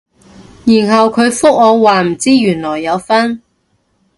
然後佢覆我話唔知原來有分